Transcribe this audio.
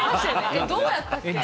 えっどうやったっけって。